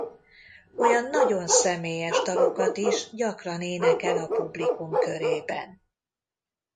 Olyan nagyon személyes dalokat is gyakran énekel a publikum körében.